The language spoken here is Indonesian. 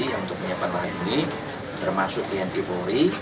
yang untuk penyiapan lahan ini termasuk tni polri